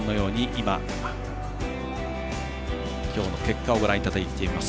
今日の結果をご覧いただいています。